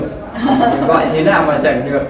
gọi thế nào mà chẳng được